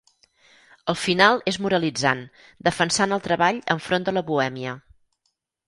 El final és moralitzant, defensant el treball enfront de la bohèmia.